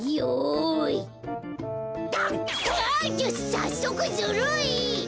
さっそくズルい。